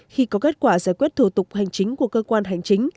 khi có kết quả giải quyết thủ tục hành chính của cơ quan hành chính